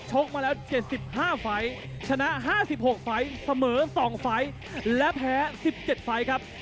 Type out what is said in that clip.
กมาแล้ว๗๕ไฟล์ชนะ๕๖ไฟล์เสมอ๒ไฟล์และแพ้๑๗ไฟล์ครับ